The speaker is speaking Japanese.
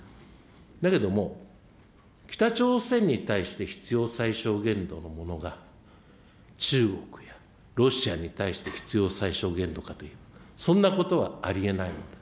だけども、北朝鮮に対して必要最小限度のものが、中国やロシアに対して必要最小限度かというと、そんなことはありえない。